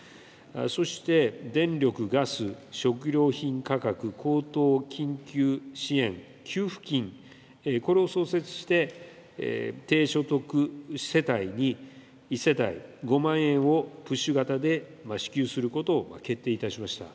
そして電力、ガス、食料品価格高騰緊急支援給付金、これを創設して、低所得世帯に１世帯５万円をプッシュ型で支給することを決定いたしました。